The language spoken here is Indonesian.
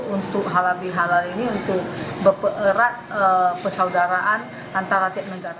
untuk halal bihalal ini untuk berperat persaudaraan antara tiap negara